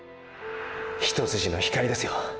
一筋の光ですよ。